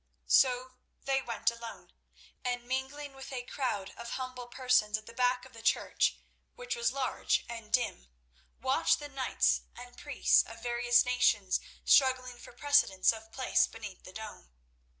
So they went alone, and mingling with a crowd of humble persons at the back of the church, which was large and dim, watched the knights and priests of various nations struggling for precedence of place beneath the dome.